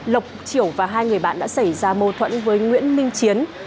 lộc triều và hai người bạn đã xảy ra mô thuẫn với nguyễn minh chiến